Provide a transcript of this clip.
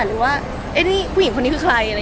หรือว่าเอ๊ะนี่ผู้หญิงคนนี้คือใครอะไรอย่างนี้